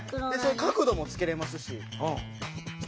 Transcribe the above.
角度もつけれますし。